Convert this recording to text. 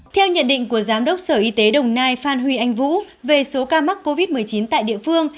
theo nhận định của giám đốc sở y tế đồng nai phan huy anh vũ về số ca mắc covid một mươi chín tại địa phương